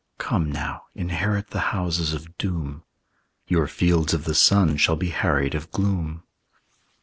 "Come now, inherit the houses of doom; Your fields of the sun shall be harried of gloom."